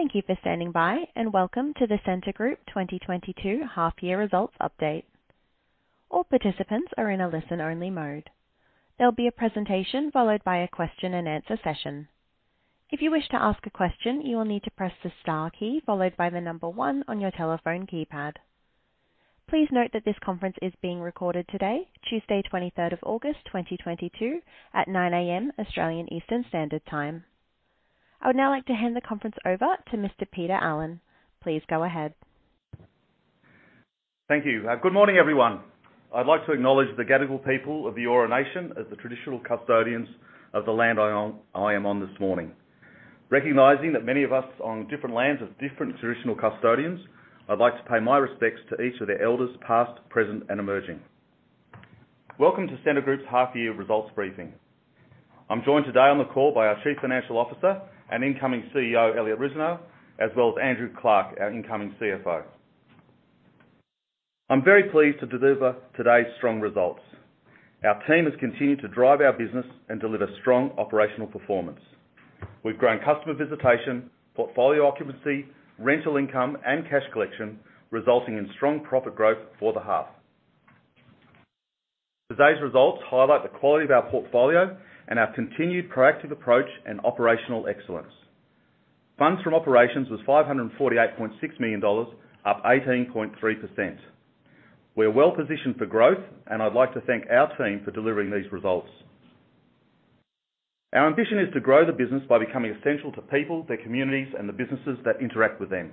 Thank you for standing by, and welcome to the Scentre Group 2022 half-year results update. All participants are in a listen-only mode. There'll be a presentation followed by a question and answer session. If you wish to ask a question, you will need to press the star key followed by the number one on your telephone keypad. Please note that this conference is being recorded today, Tuesday, 23rd of August, 2022 at 9:00 A.M., Australian Eastern Standard Time. I would now like to hand the conference over to Mr. Peter Allen. Please go ahead. Thank you. Good morning, everyone. I'd like to acknowledge the Gadigal people of the Eora Nation as the traditional custodians of the land I am on this morning. Recognizing that many of us are on different lands of different traditional custodians, I'd like to pay my respects to each of their elders past, present, and emerging. Welcome to Scentre Group's half year results briefing. I'm joined today on the call by our Chief Financial Officer and incoming CEO, Elliott Rusanow, as well as Andrew Clarke, our incoming CFO. I'm very pleased to deliver today's strong results. Our team has continued to drive our business and deliver strong operational performance. We've grown customer visitation, portfolio occupancy, rental income, and cash collection, resulting in strong profit growth for the half. Today's results highlight the quality of our portfolio and our continued proactive approach and operational excellence. Funds from operations was 548.6 million dollars, up 18.3%. We're well-positioned for growth, and I'd like to thank our team for delivering these results. Our ambition is to grow the business by becoming essential to people, their communities, and the businesses that interact with them.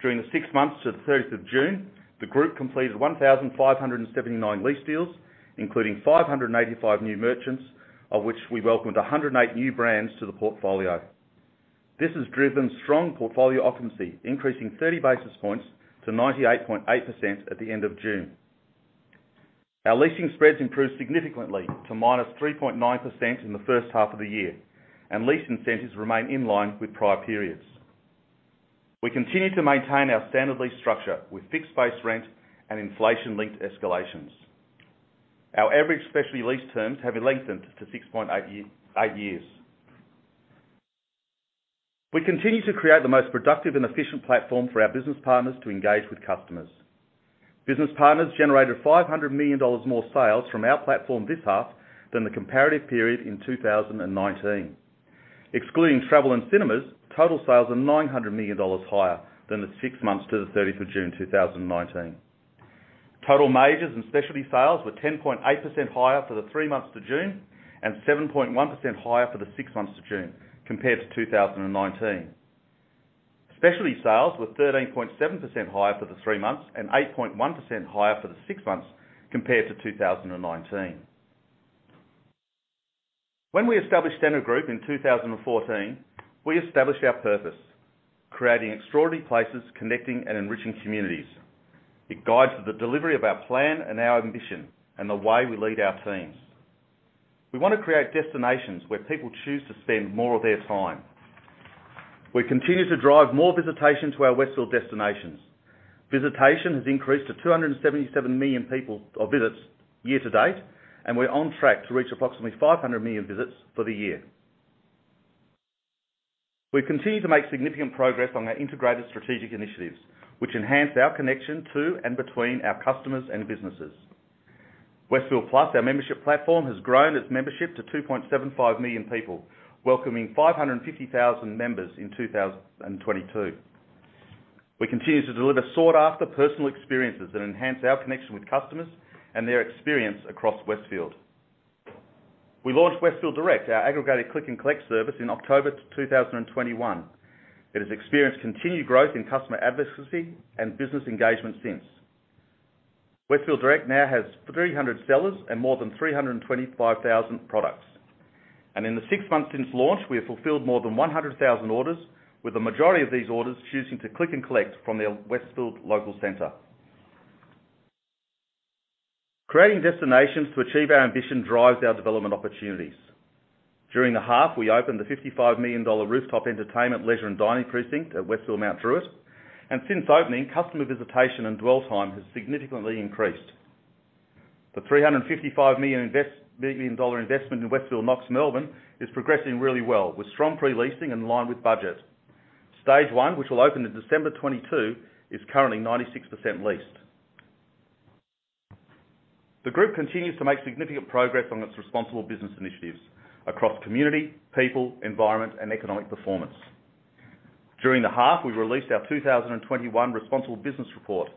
During the six months to the thirtieth of June, the group completed 1,579 lease deals, including 585 new merchants, of which we welcomed 108 new brands to the portfolio. This has driven strong portfolio occupancy, increasing 30 basis points to 98.8% at the end of June. Our leasing spreads improved significantly to -3.9% in the first half of the year, and lease incentives remain in line with prior periods. We continue to maintain our standard lease structure with fixed-based rent and inflation-linked escalations. Our average specialty lease terms have lengthened to 6.8 years, eight years. We continue to create the most productive and efficient platform for our business partners to engage with customers. Business partners generated 500 million dollars more sales from our platform this half than the comparative period in 2019. Excluding travel and cinemas, total sales are 900 million dollars higher than the six months to the 30th of June 2019. Total majors and specialty sales were 10.8% higher for the three months to June, and 7.1% higher for the six months to June compared to 2019. Specialty sales were 13.7% higher for the three months and 8.1% higher for the six months compared to 2019. When we established Scentre Group in 2014, we established our purpose. Creating extraordinary places, connecting and enriching communities. It guides the delivery of our plan and our ambition, and the way we lead our teams. We wanna create destinations where people choose to spend more of their time. We continue to drive more visitation to our Westfield destinations. Visitation has increased to 277 million people, or visits year to date, and we're on track to reach approximately 500 million visits for the year. We continue to make significant progress on our integrated strategic initiatives, which enhance our connection to and between our customers and businesses. Westfield Plus, our membership platform, has grown its membership to 2.75 million people, welcoming 550,000 members in 2022. We continue to deliver sought-after personal experiences that enhance our connection with customers and their experience across Westfield. We launched Westfield Direct, our aggregated click and collect service in October 2021. It has experienced continued growth in customer advocacy and business engagement since. Westfield Direct now has 300 sellers and more than 325,000 products. In the six months since launch, we have fulfilled more than 100,000 orders, with the majority of these orders choosing to click and collect from their Westfield local center. Creating destinations to achieve our ambition drives our development opportunities. During the half, we opened the AUD 55 million rooftop entertainment, leisure, and dining precinct at Westfield Mount Druitt. Since opening, customer visitation and dwell time has significantly increased. The 355 million dollar investment in Westfield Knox, Melbourne is progressing really well with strong pre-leasing in line with budget. Stage one, which will open in December 2022, is currently 96% leased. The group continues to make significant progress on its responsible business initiatives across community, people, environment, and economic performance. During the half, we released our 2021 responsible business report,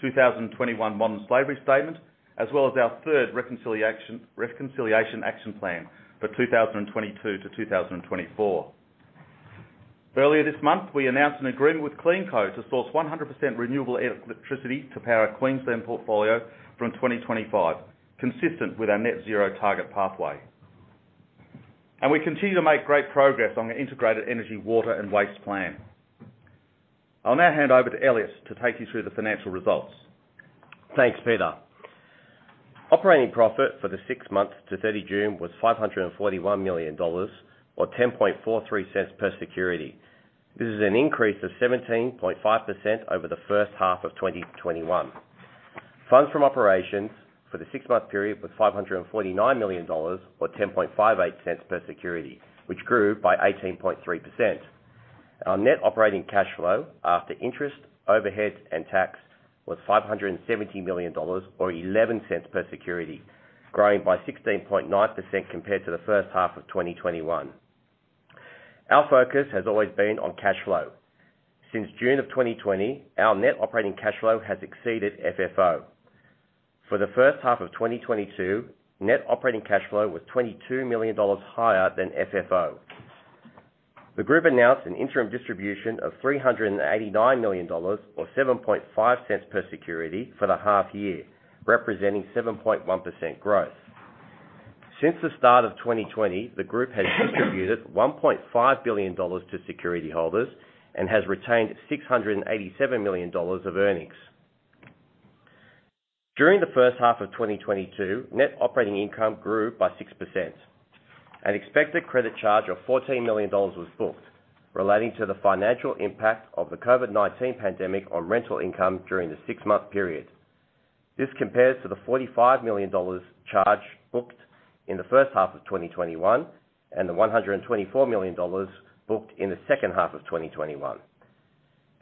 2021 modern slavery statement, as well as our third reconciliation, Reconciliation Action Plan for 2022 to 2024. Earlier this month, we announced an agreement with CleanCo to source 100% renewable electricity to power our Queensland portfolio from 2025, consistent with our net zero target pathway. We continue to make great progress on the integrated energy, water, and waste plan. I'll now hand over to Elliott to take you through the financial results. Thanks, Peter. Operating profit for the six months to June 30 was 541 million dollars or 0.1043 per security. This is an increase of 17.5% over the first half of 2021. Funds from operations for the six-month period was 549 million dollars or 0.1058 per security, which grew by 18.3%. Our net operating cash flow after interest, overhead, and tax was 570 million dollars or 0.11 per security, growing by 16.9% compared to the first half of 2021. Our focus has always been on cash flow. Since June of 2020, our net operating cash flow has exceeded FFO. For the first half of 2022, net operating cash flow was 22 million dollars higher than FFO. The group announced an interim distribution of 389 million dollars or 0.075 per security for the half year, representing 7.1% growth. Since the start of 2020, the group has distributed 1.5 billion dollars to security holders and has retained 687 million dollars of earnings. During the first half of 2022, net operating income grew by 6%. An expected credit charge of 14 million dollars was booked relating to the financial impact of the COVID-19 pandemic on rental income during the six-month period. This compares to the 45 million dollars charge booked in the first half of 2021, and the 124 million dollars booked in the second half of 2021.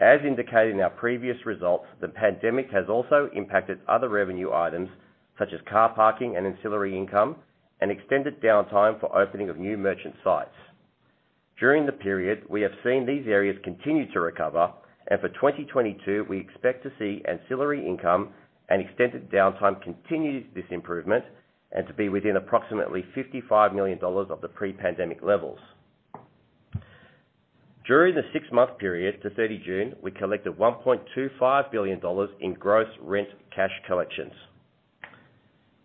As indicated in our previous results, the pandemic has also impacted other revenue items such as car parking and ancillary income and extended downtime for opening of new merchant sites. During the period, we have seen these areas continue to recover, and for 2022, we expect to see ancillary income and extended downtime continue this improvement and to be within approximately 55 million dollars of the pre-pandemic levels. During the six-month period to 30 June, we collected 1.25 billion dollars in gross rent cash collections.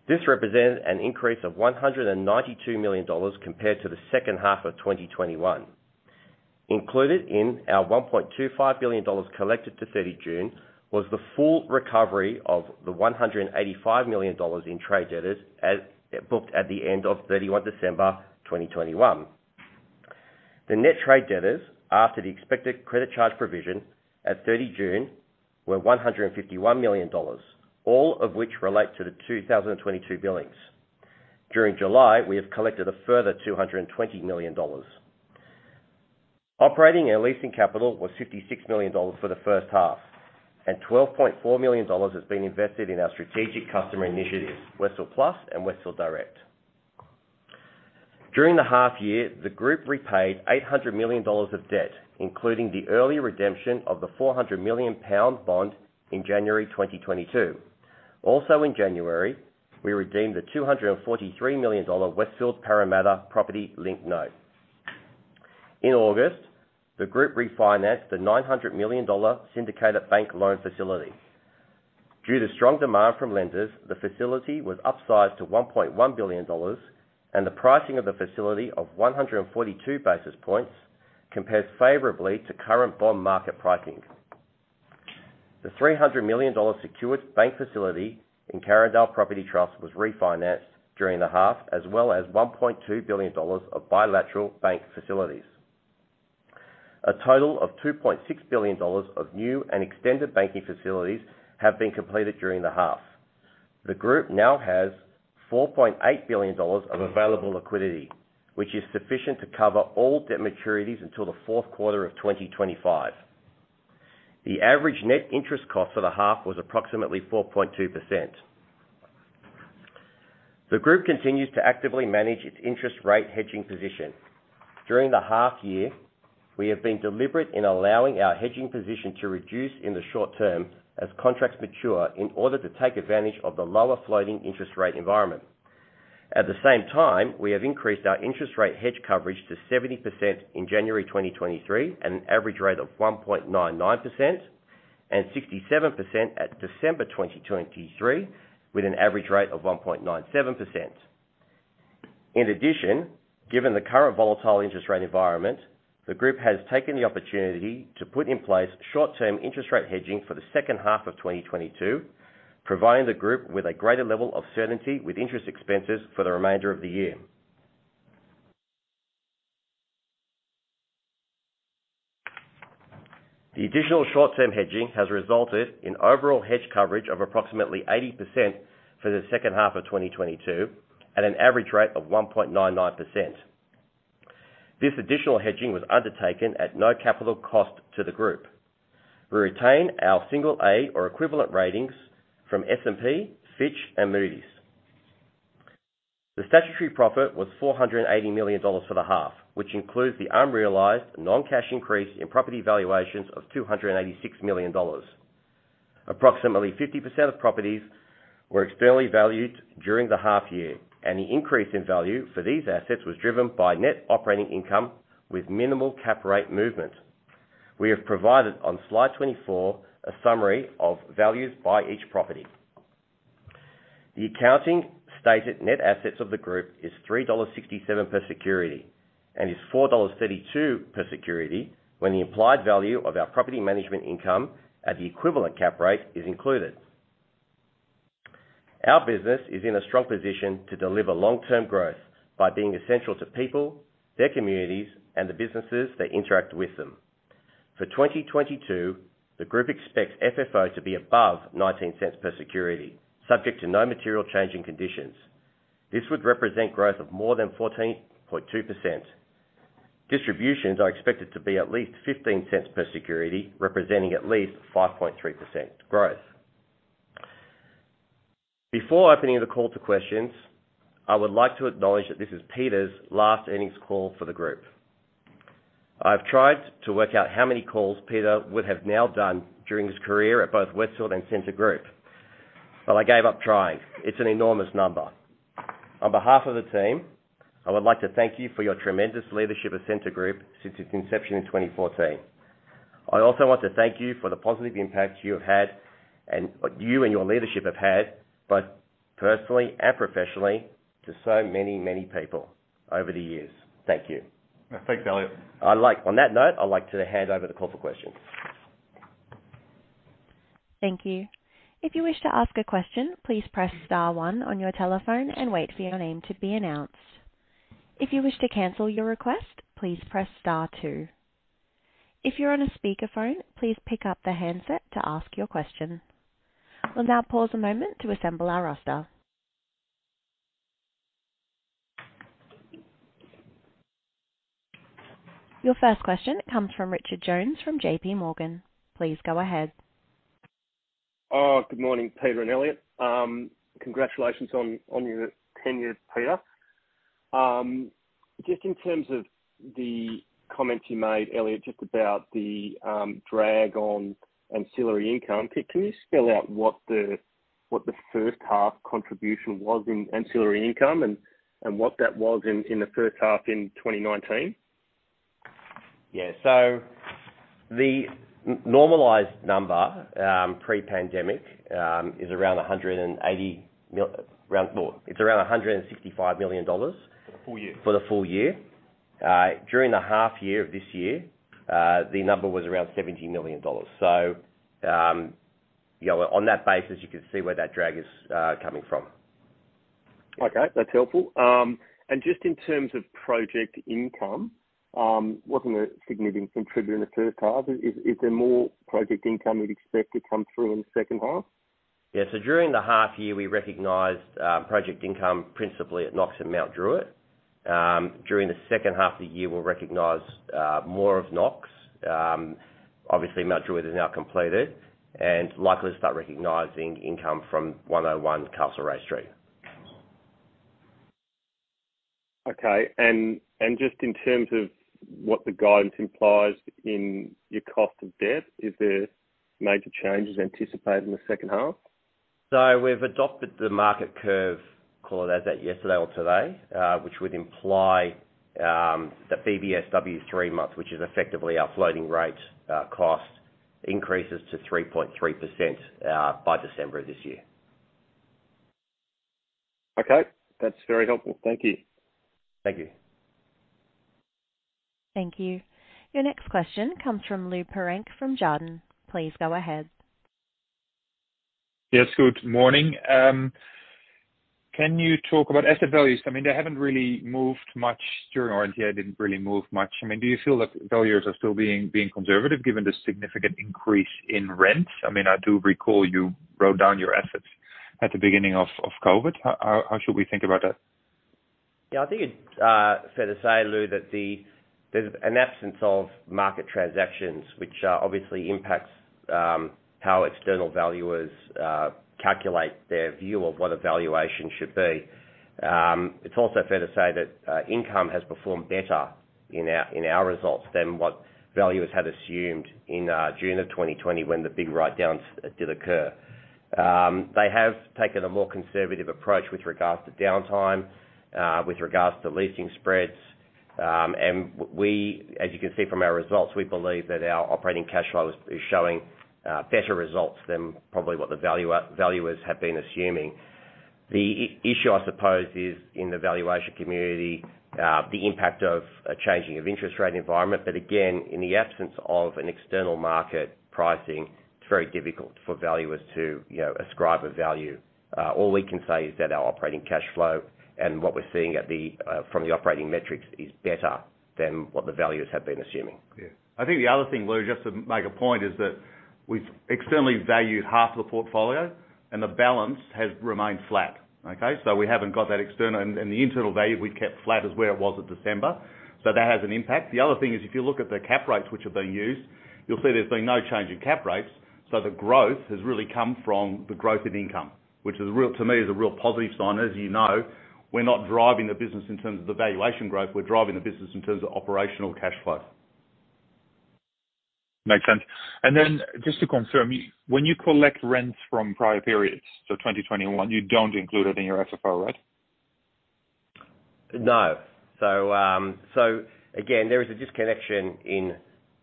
This represents an increase of 192 million dollars compared to the second half of 2021. Included in our 1.25 billion dollars collected to 30 June was the full recovery of the 185 million dollars in trade debtors as booked at the end of 31 December 2021. The net trade debtors after the expected credit charge provision at 30 June were 151 million dollars, all of which relate to the 2022 billings. During July, we have collected a further 220 million dollars. Operating and leasing capital was 56 million dollars for the first half, and 12.4 million dollars has been invested in our strategic customer initiatives, Westfield Plus and Westfield Direct. During the half year, the group repaid 800 million dollars of debt, including the early redemption of the 400 million pound bond in January 2022. Also in January, we redeemed the 243 million dollar Westfield Parramatta Property Linked Note. In August, the group refinanced the 900 million dollar syndicated bank loan facility. Due to strong demand from lenders, the facility was upsized to 1.1 billion dollars and the pricing of the facility of 142 basis points compares favorably to current bond market pricing. The 300 million dollars secured bank facility in Carindale Property Trust was refinanced during the half as well as 1.2 billion dollars of bilateral bank facilities. A total of 2.6 billion dollars of new and extended banking facilities have been completed during the half. The group now has 4.8 billion dollars of available liquidity, which is sufficient to cover all debt maturities until the fourth quarter of 2025. The average net interest cost for the half was approximately 4.2%. The group continues to actively manage its interest rate hedging position. During the half year, we have been deliberate in allowing our hedging position to reduce in the short term as contracts mature in order to take advantage of the lower floating interest rate environment. At the same time, we have increased our interest rate hedge coverage to 70% in January 2023 at an average rate of 1.99%, and 67% at December 2023 with an average rate of 1.97%. In addition, given the current volatile interest rate environment, the group has taken the opportunity to put in place short-term interest rate hedging for the second half of 2022, providing the group with a greater level of certainty with interest expenses for the remainder of the year. The additional short-term hedging has resulted in overall hedge coverage of approximately 80% for the second half of 2022 at an average rate of 1.99%. This additional hedging was undertaken at no capital cost to the group. We retain our single A or equivalent ratings from S&P, Fitch, and Moody's. The statutory profit was 480 million dollars for the half, which includes the unrealized non-cash increase in property valuations of 286 million dollars. Approximately 50% of properties were externally valued during the half year, and the increase in value for these assets was driven by net operating income with minimal cap rate movement. We have provided on slide 24 a summary of values by each property. The accounting stated net assets of the group is 3.67 dollars per security and is 4.32 dollars per security when the implied value of our property management income at the equivalent cap rate is included. Our business is in a strong position to deliver long-term growth by being essential to people, their communities, and the businesses that interact with them. For 2022, the group expects FFO to be above 0.19 per security, subject to no material changing conditions. This would represent growth of more than 14.2%. Distributions are expected to be at least 0.15 per security, representing at least 5.3% growth. Before opening the call to questions, I would like to acknowledge that this is Peter's last earnings call for the group. I've tried to work out how many calls Peter would have now done during his career at both Westfield and Scentre Group, but I gave up trying. It's an enormous number. On behalf of the team, I would like to thank you for your tremendous leadership at Scentre Group since its inception in 2014. I also want to thank you for the positive impact you have had, you and your leadership have had, both personally and professionally to so many, many people over the years. Thank you. Thanks, Elliott. On that note, I'd like to hand over the call for questions. Thank you. If you wish to ask a question, please press star one on your telephone and wait for your name to be announced. If you wish to cancel your request, please press star two. If you're on a speakerphone, please pick up the handset to ask your question. We'll now pause a moment to assemble our roster. Your first question comes from Richard Jones from JPMorgan. Please go ahead. Good morning, Peter and Elliott. Congratulations on your tenure, Peter. Just in terms of the comments you made, Elliott, just about the drag on ancillary income. Can you spell out what the first half contribution was in ancillary income and what that was in the first half in 2019? The normalized number, pre-pandemic, well, it's around 165 million dollars. For the full year. For the full year. During the half year of this year, the number was around 70 million dollars. On that basis, you can see where that drag is, coming from. Okay, that's helpful. Just in terms of project income, wasn't a significant contributor in the first half. Is there more project income you'd expect to come through in the second half? During the half year, we recognized project income principally at Knox and Mount Druitt. During the second half of the year, we'll recognize more of Knox. Obviously Mount Druitt is now completed and likely to start recognizing income from 101 Castlereagh Street. Just in terms of what the guidance implies in your cost of debt, is there major changes anticipated in the second half? We've adopted the market curve, call it as at yesterday or today, which would imply that BBSW three-month, which is effectively our floating rate, cost increases to 3.3% by December of this year. Okay, that's very helpful. Thank you. Thank you. Thank you. Your next question comes from Lou Pirenc from Jarden. Please go ahead. Yes. Good morning. Can you talk about asset values? I mean, they haven't really moved much during COVID. They didn't really move much. I mean, do you feel that valuers are still being conservative given the significant increase in rents? I mean, I do recall you wrote down your assets at the beginning of COVID. How should we think about that? I think it's fair to say, Lou, that there's an absence of market transactions, which obviously impacts how external valuers calculate their view of what a valuation should be. It's also fair to say that income has performed better in our results than what valuers had assumed in June of 2020 when the big write-downs did occur. They have taken a more conservative approach with regards to downtime, with regards to leasing spreads. As you can see from our results, we believe that our operating cash flow is showing better results than probably what the valuers have been assuming. The issue, I suppose, is in the valuation community, the impact of a changing of interest rate environment. Again, in the absence of an external market pricing, it's very difficult for valuers to, you know, ascribe a value. All we can say is that our operating cash flow and what we're seeing from the operating metrics is better than what the valuers have been assuming. Yeah. I think the other thing, Lou, just to make a point, is that we've externally valued half the portfolio and the balance has remained flat. Okay? We haven't got that external and the internal value we kept flat is where it was at December. That has an impact. The other thing is, if you look at the cap rates which have been used, you'll see there's been no change in cap rates. The growth has really come from the growth of income, which is a real positive sign to me. As you know, we're not driving the business in terms of the valuation growth. We're driving the business in terms of operational cash flow. Makes sense. Just to confirm, when you collect rents from prior periods, so 2021, you don't include it in your FFO, right? No. Again, there is a disconnection,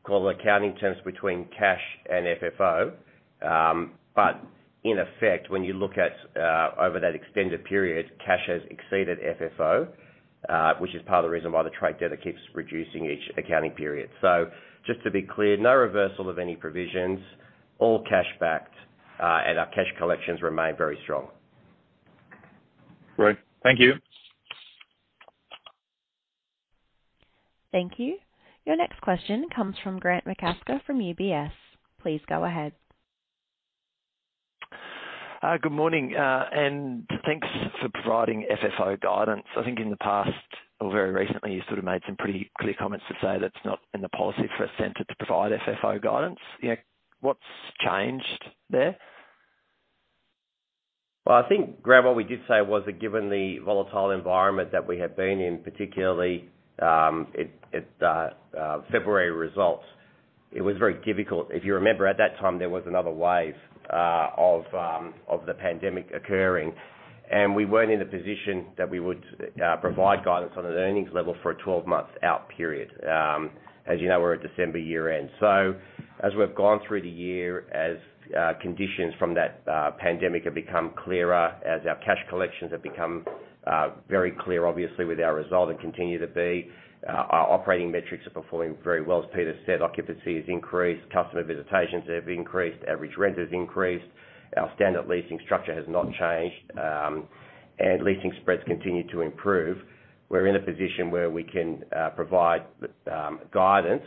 call it, in accounting terms between cash and FFO. In effect, when you look at over that extended period, cash has exceeded FFO, which is part of the reason why the trade debt keeps reducing each accounting period. Just to be clear, no reversal of any provisions, all cash-backed, and our cash collections remain very strong. Great. Thank you. Thank you. Your next question comes from Grant McCasker from UBS. Please go ahead. Good morning, and thanks for providing FFO guidance. I think in the past or very recently, you sort of made some pretty clear comments to say that's not in the policy for Scentre to provide FFO guidance. You know, what's changed there? Well, I think, Grant, what we did say was that given the volatile environment that we have been in, particularly at February results, it was very difficult. If you remember, at that time, there was another wave of the pandemic occurring, and we weren't in a position that we would provide guidance on an earnings level for a 12 months out period. As you know, we're a December year-end. As we've gone through the year, as conditions from that pandemic have become clearer, as our cash collections have become very clear, obviously with our result and continue to be, our operating metrics are performing very well. As Peter said, occupancy has increased, customer visitations have increased, average rent has increased. Our standard leasing structure has not changed, and leasing spreads continue to improve. We're in a position where we can provide guidance,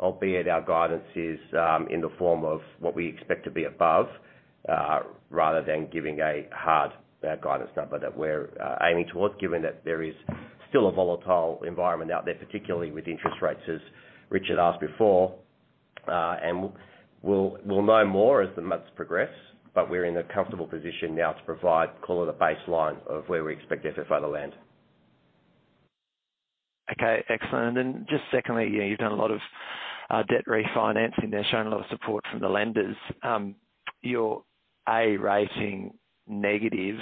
albeit our guidance is in the form of what we expect to be above rather than giving a hard guidance number that we're aiming towards, given that there is still a volatile environment out there, particularly with interest rates, as Richard asked before. We'll know more as the months progress, but we're in a comfortable position now to provide call it a baseline of where we expect FFO to land. Okay. Excellent. Just secondly, you know, you've done a lot of debt refinancing there, shown a lot of support from the lenders. Your A rating negative,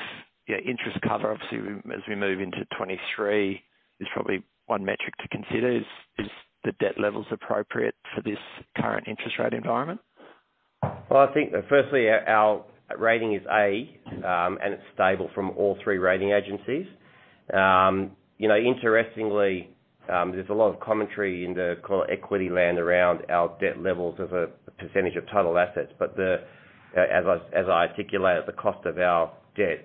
your interest cover, obviously, as we move into 2023, is probably one metric to consider. Is the debt levels appropriate for this current interest rate environment? Well, I think that firstly, our rating is A, and it's stable from all three rating agencies. You know, interestingly, there's a lot of commentary in the core equity landscape around our debt levels as a percentage of total assets. As I articulated, the cost of our debt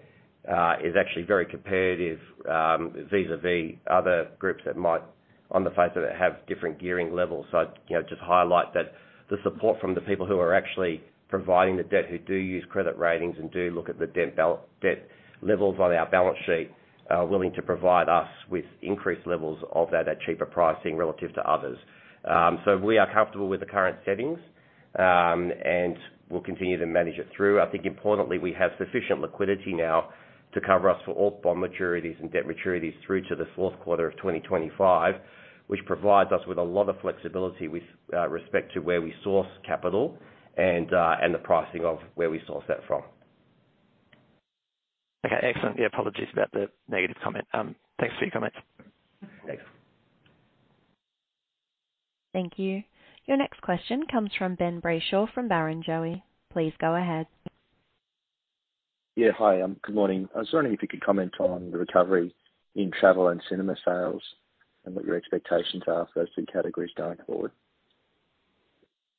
is actually very competitive vis-à-vis other groups that might, on the face of it, have different gearing levels. I'd, you know, just highlight that the support from the people who are actually providing the debt, who do use credit ratings and do look at the debt levels on our balance sheet are willing to provide us with increased levels of that at cheaper pricing relative to others. We are comfortable with the current settings, and we'll continue to manage it through. I think importantly, we have sufficient liquidity now to cover us for all bond maturities and debt maturities through to the fourth quarter of 2025, which provides us with a lot of flexibility with respect to where we source capital and the pricing of where we source that from. Okay. Excellent. Yeah, apologies about the negative comment. Thanks for your comments. Thanks. Thank you. Your next question comes from Ben Brayshaw from Barrenjoey. Please go ahead. Yeah. Hi. Good morning. I was wondering if you could comment on the recovery in travel and cinema sales and what your expectations are for those two categories going forward?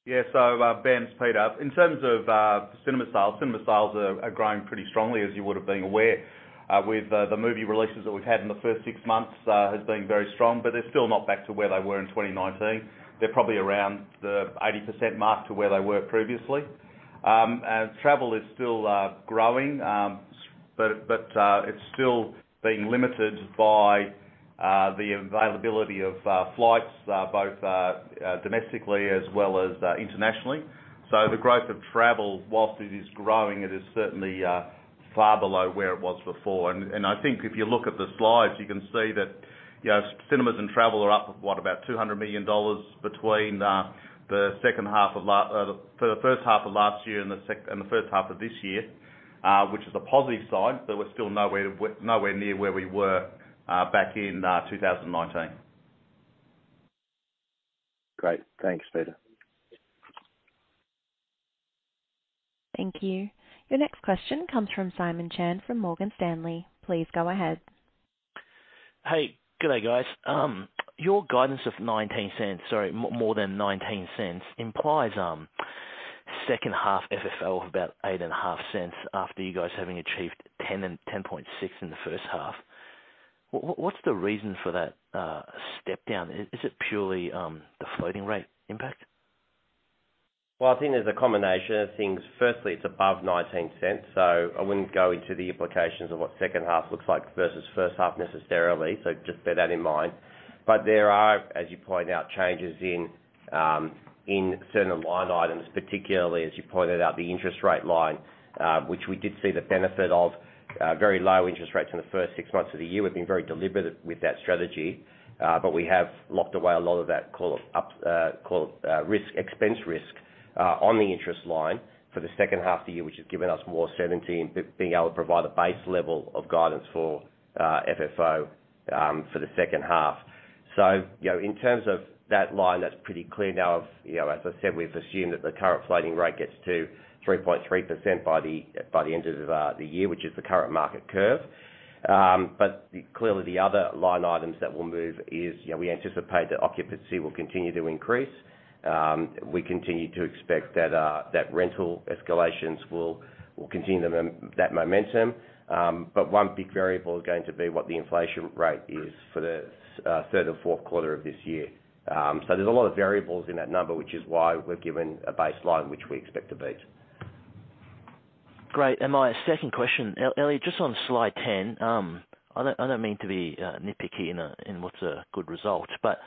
Yeah. Ben, it's Peter. In terms of cinema sales, cinema sales are growing pretty strongly, as you would have been aware, with the movie releases that we've had in the first six months, has been very strong. They're still not back to where they were in 2019. They're probably around the 80% mark to where they were previously. Travel is still growing, but it's still being limited by the availability of flights, both domestically as well as internationally. The growth of travel, whilst it is growing, it is certainly far below where it was before. I think if you look at the slides, you can see that, you know, cinemas and travel are up, what? About 200 million dollars between the first half of last year and the first half of this year, which is a positive sign, but we're still nowhere near where we were back in 2019. Great. Thanks, Peter. Thank you. Your next question comes from Simon Chan from Morgan Stanley. Please go ahead. Hey, good day, guys. Your guidance of more than 0.19 implies second half FFO of about 0.085 after you guys having achieved 0.10 and 0.106 in the first half. What's the reason for that step down? Is it purely the floating rate impact? Well, I think there's a combination of things. Firstly, it's above 0.19, so I wouldn't go into the implications of what second half looks like versus first half necessarily. Just bear that in mind. There are, as you point out, changes in certain line items, particularly as you pointed out, the interest rate line, which we did see the benefit of very low interest rates in the first six months of the year. We've been very deliberate with that strategy, but we have locked away a lot of that call risk, expense risk on the interest line for the second half of the year, which has given us more certainty in being able to provide a base level of guidance for FFO for the second half. You know, in terms of that line, that's pretty clear now of, you know, as I said, we've assumed that the current floating rate gets to 3.3% by the end of the year, which is the current market curve. But clearly the other line items that will move is, you know, we anticipate that occupancy will continue to increase. We continue to expect that that rental escalations will continue to maintain that momentum. One big variable is going to be what the inflation rate is for the third and fourth quarter of this year. There's a lot of variables in that number, which is why we've given a baseline which we expect to beat. Great. My second question. Elliott, just on slide 10, I don't mean to be nitpicky in what's a good result, but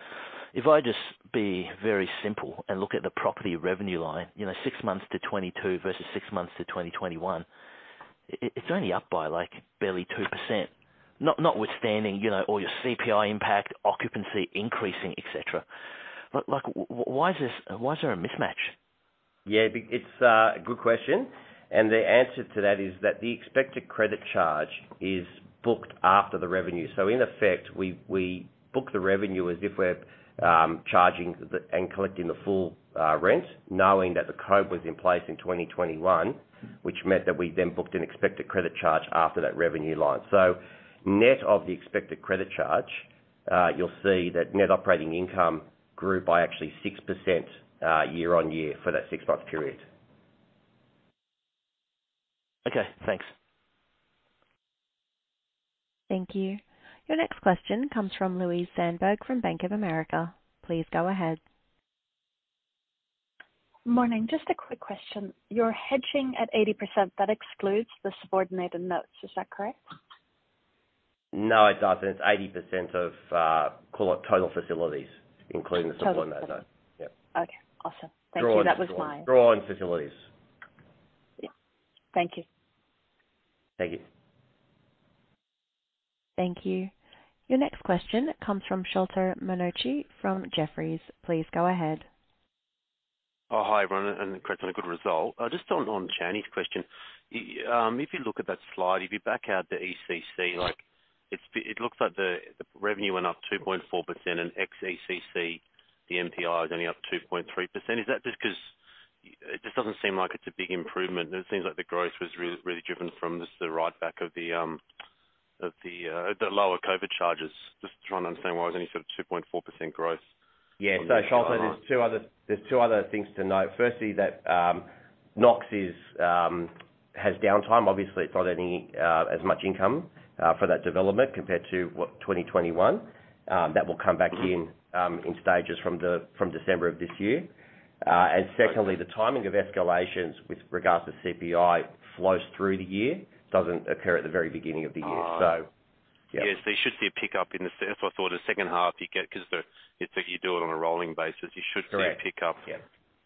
if I just be very simple and look at the property revenue line, you know, six months to 2022 versus six months to 2021, it's only up by, like, barely 2%. Notwithstanding, you know, all your CPI impact, occupancy increasing, et cetera. Like, why is this? Why is there a mismatch? It's a good question. The answer to that is that the expected credit charge is booked after the revenue. In effect, we book the revenue as if we're charging and collecting the full rent, knowing that COVID was in place in 2021, which meant that we then booked an expected credit charge after that revenue line. Net of the expected credit charge, you'll see that net operating income grew by actually 6% year-on-year for that six-month period. Okay, thanks. Thank you. Your next question comes from Louise Sandberg from Bank of America. Please go ahead. Morning. Just a quick question. You're hedging at 80%, that excludes the subordinated notes, is that correct? No, it doesn't. It's 80% of, call it total facilities, including the subordinate debt. Total facilities. Yeah. Okay, awesome. Thank you. Draw on facilities. Thank you. Thank you. Thank you. Your next question comes from Sholto Maconochie from Jefferies. Please go ahead. Oh, hi, everyone, and congrats on a good result. Just on Simon Chan's question. If you look at that slide, if you back out the ECC, like it looks like the revenue went up 2.4% and ex ECC, the NPI is only up 2.3%. Is that just 'cause. It just doesn't seem like it's a big improvement. It seems like the growth was really driven from just the writeback of the lower COVID charges. Just trying to understand why there's only sort of 2.4% growth. Sholto, there's two other things to note. Firstly, Knox has downtime. Obviously, it's not as much income for that development compared to 2021, that will come back in stages from December of this year. And secondly, the timing of escalations with regards to CPI flows through the year doesn't occur at the very beginning of the year. Ah. Yeah. Yes, there should be a pickup in the second half you get, 'cause it's like you do it on a rolling basis. Correct. Yeah. You should see a pickup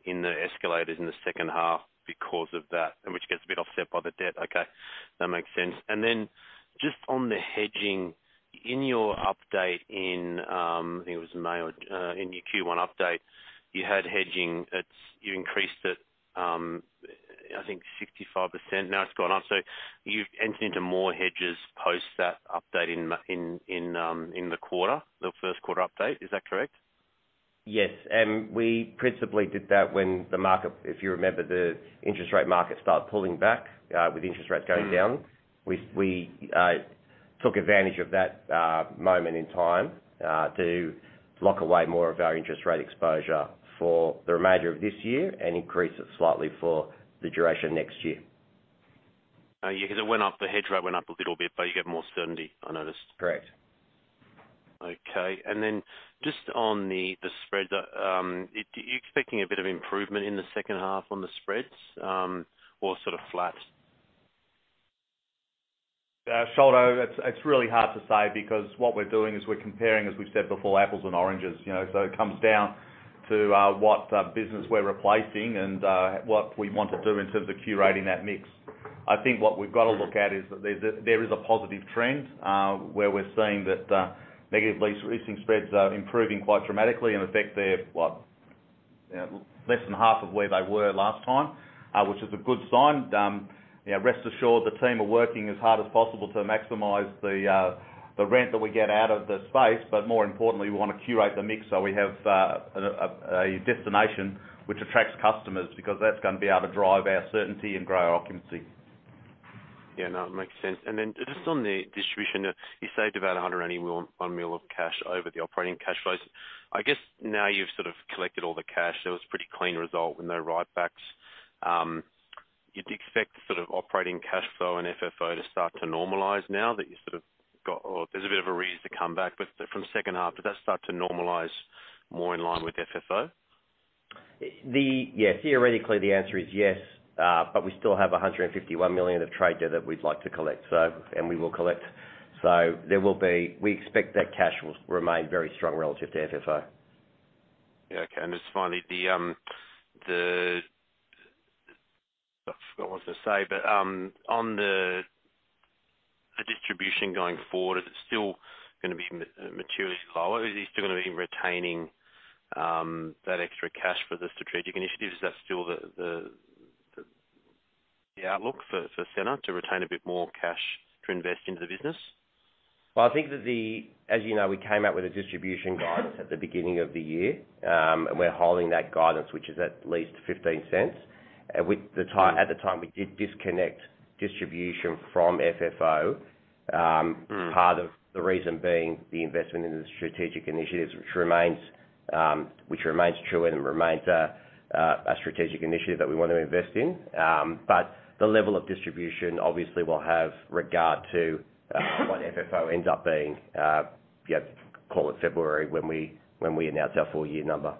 in the escalators in the second half because of that and which gets a bit offset by the debt. Okay. That makes sense. Just on the hedging, in your update, I think it was May or in your Q1 update, you had hedging, you increased it, I think 65%, now it's gone up. You've entered into more hedges post that update in the quarter, the first quarter update. Is that correct? Yes. We principally did that when the market, if you remember, the interest rate market started pulling back with interest rates going down. We took advantage of that moment in time to lock away more of our interest rate exposure for the remainder of this year and increase it slightly for the duration next year. Yeah, 'cause it went up, the hedge ratio went up a little bit, but you get more certainty, I noticed. Correct. Okay. Just on the spread, are you expecting a bit of improvement in the second half on the spreads, or sort of flat? Sholto, it's really hard to say because what we're doing is we're comparing, as we've said before, apples and oranges, you know. It comes down to what business we're replacing and what we want to do in terms of curating that mix. I think what we've got to look at is that there is a positive trend where we're seeing that negative leasing spreads are improving quite dramatically and in fact, they're what? Less than half of where they were last time, which is a good sign. You know, rest assured the team are working as hard as possible to maximize the rent that we get out of the space. More importantly, we wanna curate the mix so we have a destination which attracts customers because that's gonna be able to drive our certainty and grow our occupancy. Yeah, no, it makes sense. Just on the distribution, you saved about 101 million of cash over the operating cash flows. I guess now you've sort of collected all the cash, that was pretty clean result with no write backs. You'd expect sort of operating cash flow and FFO to start to normalize now that you sort of got or there's a bit of a reason to come back but from second half, does that start to normalize more in line with FFO? Yeah, theoretically, the answer is yes, but we still have 151 million of trade debt that we'd like to collect, so, and we will collect. We expect that cash will remain very strong relative to FFO. Yeah. Okay. Just finally, I forgot what I was gonna say, but on the distribution going forward, is it still gonna be materially lower? Is it still gonna be retaining that extra cash for the strategic initiatives? Is that still the outlook for Scentre to retain a bit more cash to invest into the business. Well, I think that as you know, we came out with a distribution guidance at the beginning of the year, and we're holding that guidance, which is at least 0.15. At the time, we did disconnect distribution from FFO. Mm. Part of the reason being the investment in the strategic initiatives which remains true and remains a strategic initiative that we want to invest in. But the level of distribution obviously will have regard to what FFO ends up being, call it February, when we announce our full year number.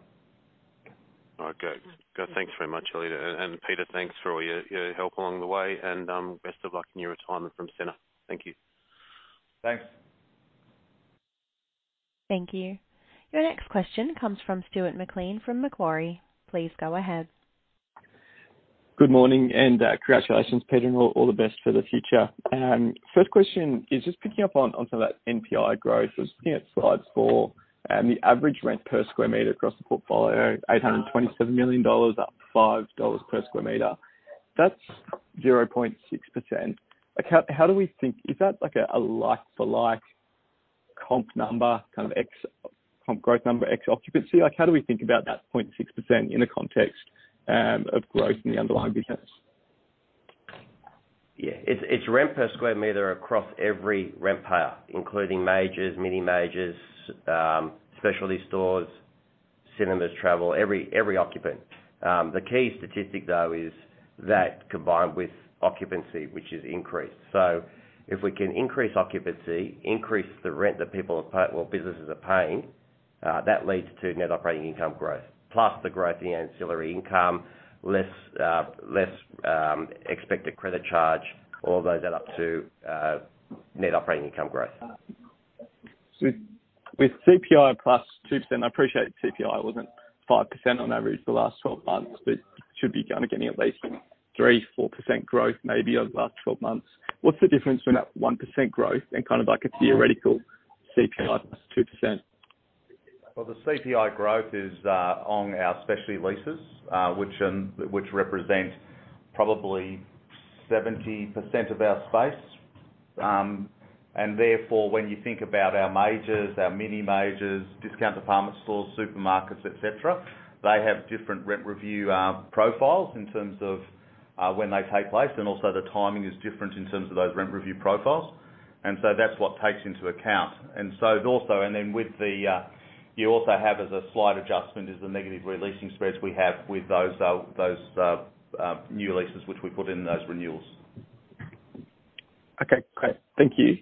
All right. Good. Thanks very much, Alida, and Peter, thanks for all your help along the way and best of luck in your retirement from Scentre. Thank you. Thanks. Thank you. Your next question comes from Stuart McLean from Macquarie. Please go ahead. Good morning and congratulations, Peter, and all the best for the future. First question is just picking up on some of that NPI growth. I was looking at slide four and the average rent per square meter across the portfolio, 827, up 5 dollars per square meter. That's 0.6%. Like how do we think? Is that like a like for like comp number, kind of ex comp growth number ex occupancy? Like how do we think about that 0.6% in the context of growth in the underlying business? Yeah. It's rent per square meter across every rent payer, including majors, mini majors, specialty stores, cinemas, travel, every occupant. The key statistic though is that combined with occupancy, which is increased. If we can increase occupancy, increase the rent that people are well, businesses are paying, that leads to net operating income growth. Plus the growth in ancillary income less expected credit charge, all those add up to net operating income growth. With CPI plus 2%, I appreciate CPI wasn't 5% on average for the last 12 months, but should be kind of getting at least 3%-4% growth maybe over the last 12 months. What's the difference between that 1% growth and kind of like a theoretical CPI plus 2%? Well, the CPI growth is on our specialty leases, which represent probably 70% of our space. Therefore, when you think about our majors, our mini majors, discount department stores, supermarkets, et cetera, they have different rent review profiles in terms of when they take place, and also the timing is different in terms of those rent review profiles. That's what takes into account. With that, you also have as a slight adjustment is the negative re-leasing spreads we have with those new leases which we put in those renewals. Okay, great. Thank you.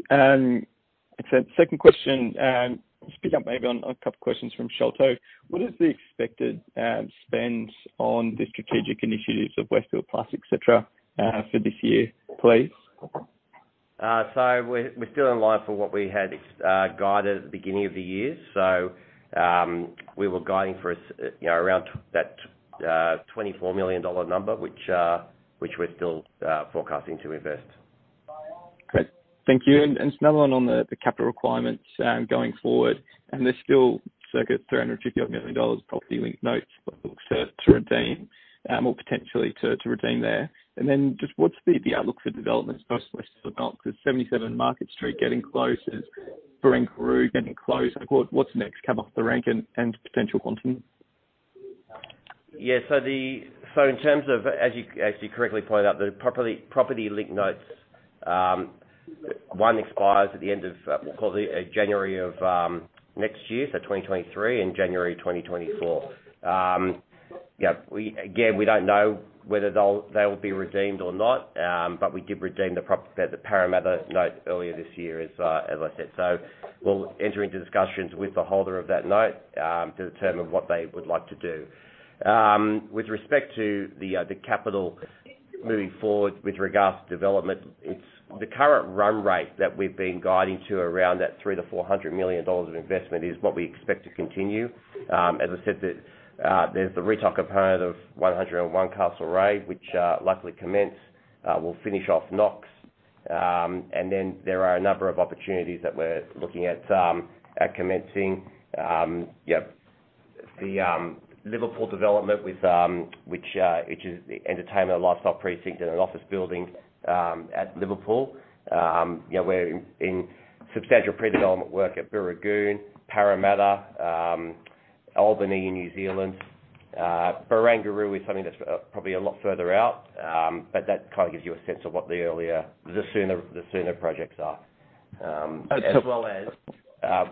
Second question, just pick up maybe on a couple questions from Sholto. What is the expected spend on the strategic initiatives of Westfield Plus, et cetera, for this year, please? We're still in line for what we had guided at the beginning of the year. We were guiding for, you know, around that 24 million dollar number, which we're still forecasting to invest. Great. Thank you. Just another one on the capital requirements, going forward, and there's still circa 350 odd million Property Linked Notes for the group to redeem, or potentially to redeem there. Just what's the outlook for developments post Westfield Knox? Is 77 Market Street getting close? Is Barangaroo getting close? Like what's the next come off the rank and potential quantum? In terms of, as you correctly pointed out, the Property Linked Notes, one expires at the end of, we'll call it, January of next year, 2023 and January 2024. Again, we don't know whether they'll be redeemed or not, but we did redeem the Parramatta note earlier this year, as I said. We'll enter into discussions with the holder of that note to determine what they would like to do. With respect to the capital moving forward with regards to development, it's the current run rate that we've been guiding to around that 300 million-400 million dollars of investment is what we expect to continue. As I said, there's the retail component of 101 Castlereagh, which luckily commenced. We'll finish off Knox. Then there are a number of opportunities that we're looking at at commencing. The Liverpool development, which is the entertainment and lifestyle precinct and an office building at Liverpool. We're in substantial pre-development work at Burwood, Parramatta, Albany in New Zealand. Barangaroo is something that's probably a lot further out. That kind of gives you a sense of what the earlier, the sooner projects are. As well as,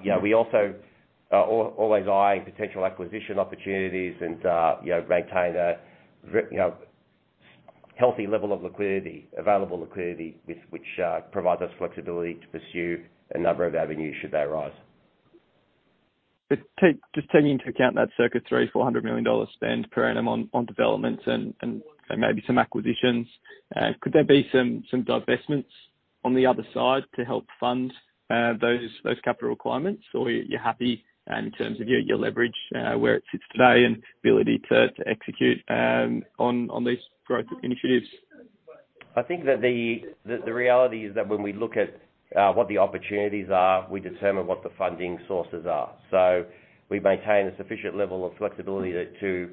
yeah, we also are always eyeing potential acquisition opportunities and, you know, maintain a very healthy level of liquidity, available liquidity which provides us flexibility to pursue a number of avenues should they arise. Just taking into account that circa 300-400 million dollars spend per annum on developments and maybe some acquisitions, could there be some divestments on the other side to help fund those capital requirements? Or you're happy in terms of your leverage where it sits today and ability to execute on these growth initiatives? I think that the reality is that when we look at what the opportunities are, we determine what the funding sources are. We maintain a sufficient level of flexibility to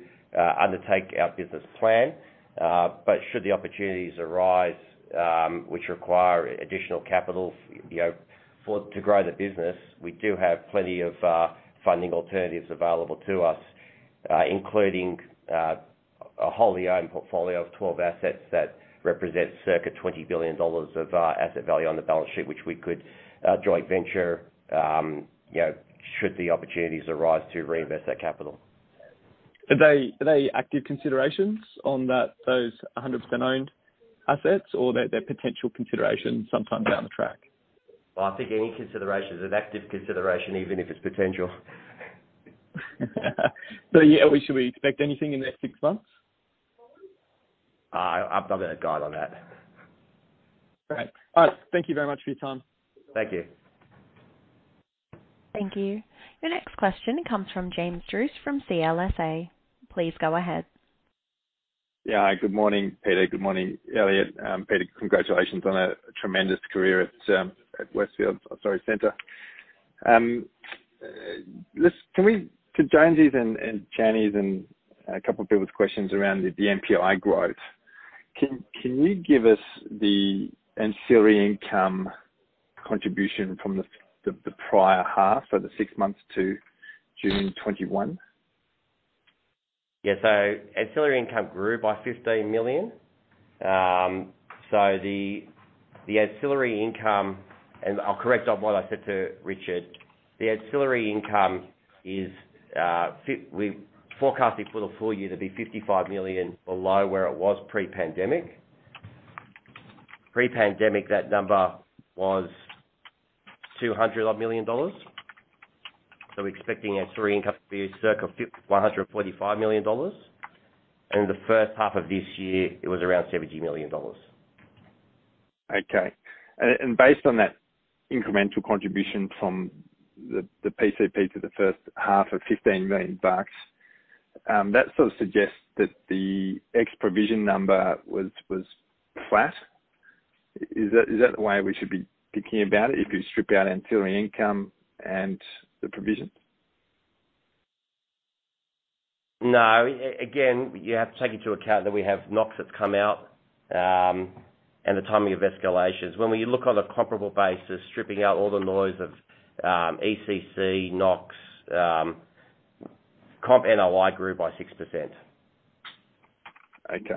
undertake our business plan. Should the opportunities arise which require additional capital, you know, in order to grow the business, we do have plenty of funding alternatives available to us, including a wholly owned portfolio of 12 assets that represent circa 20 billion dollars of asset value on the balance sheet, which we could joint venture, you know, should the opportunities arise to reinvest that capital. Are they active considerations on that, those 100% owned assets or they're potential considerations sometime down the track? Well, I think any consideration is an active consideration, even if it's potential. Yeah. Should we expect anything in the next six months? I'm not gonna guide on that. All right. Thank you very much for your time. Thank you. Thank you. Your next question comes from James Druce from CLSA. Please go ahead. Yeah. Good morning, Peter. Good morning, Elliott. Peter, congratulations on a tremendous career at Westfield or, sorry, Scentre. Listen, could Jonesy's and Jenny's and a couple of people's questions around the NPI growth. Can you give us the ancillary income contribution from the prior half, so the six months to June 2021? Yeah. Ancillary income grew by AUD 15 million. The ancillary income, and I'll correct on what I said to Richard, the ancillary income is, we've forecasted for the full year to be 55 million below where it was pre-pandemic. Pre-pandemic, that number was 200 odd million dollars. We're expecting ancillary income to be circa AUD 145 million. The first half of this year it was around AUD 70 million. Based on that incremental contribution from the PCP to the first half of 15 million bucks, that sort of suggests that the ex-provision number was flat. Is that the way we should be thinking about it if you strip out ancillary income and the provision? No. Again, you have to take into account that we have NOCs that's come out, and the timing of escalations. When we look on a comparable basis, stripping out all the noise of ECC, NOCs, comp NOI grew by 6%. Okay.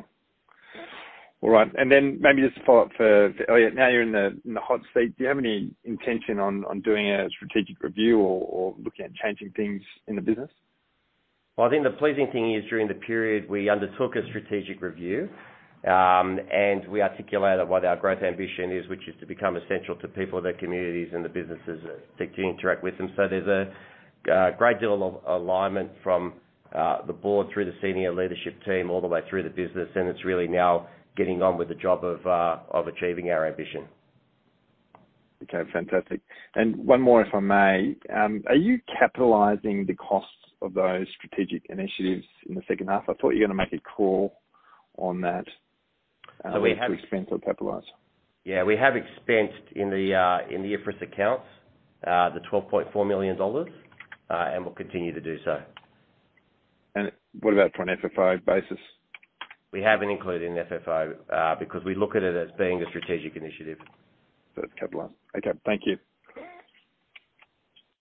All right. Maybe just to follow up for Elliott, now you're in the hot seat. Do you have any intention on doing a strategic review or looking at changing things in the business? Well, I think the pleasing thing is, during the period, we undertook a strategic review, and we articulated what our growth ambition is, which is to become essential to people, their communities, and the businesses that interact with them. There's a great deal of alignment from the board through the senior leadership team all the way through the business, and it's really now getting on with the job of achieving our ambition. Okay, fantastic. One more, if I may. Are you capitalizing the costs of those strategic initiatives in the second half? I thought you're gonna make a call on that. We have. Expense or capitalize. Yeah. We have expensed in the IFRS accounts the 12.4 million dollars, and we'll continue to do so. What about for an FFO basis? We haven't included an FFO because we look at it as being a strategic initiative. It's capitalized. Okay. Thank you.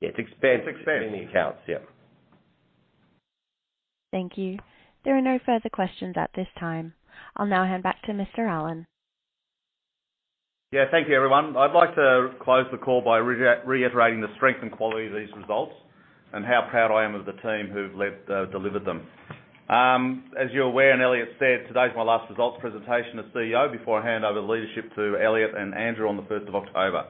It's expensed. It's expensed. In the accounts. Yeah. Thank you. There are no further questions at this time. I'll now hand back to Mr. Allen. Yeah. Thank you, everyone. I'd like to close the call by reiterating the strength and quality of these results and how proud I am of the team who've led, delivered them. As you're aware, and Elliott said, today's my last results presentation as CEO before I hand over the leadership to Elliott and Andrew on the first of October.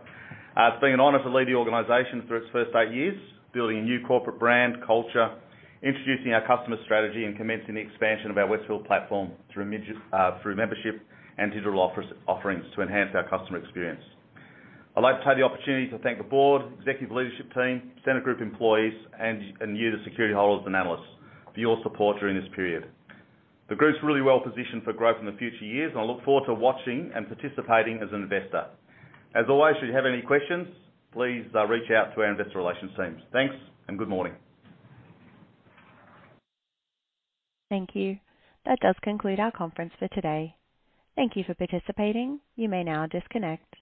It's been an honor to lead the organization through its first eight years, building a new corporate brand culture, introducing our customer strategy, and commencing the expansion of our Westfield platform through membership and digital offerings to enhance our customer experience. I'd like to take the opportunity to thank the board, executive leadership team, Scentre Group employees, and you, the security holders and analysts for your support during this period. The group's really well positioned for growth in the future years, and I look forward to watching and participating as an investor. As always, should you have any questions, please, reach out to our investor relations teams. Thanks and good morning. Thank you. That does conclude our conference for today. Thank you for participating. You may now disconnect.